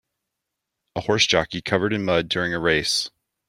A horse jockey covered in mud during a race.